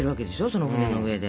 その船の上で。